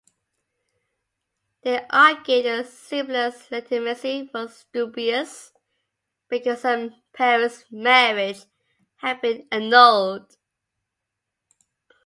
They argued that Sybilla's legitimacy was dubious, because her parents' marriage had been annulled.